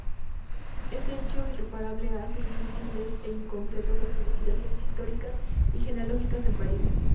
Este hecho irreparable hace difíciles e incompletas las investigaciones históricas y genealógicas en París.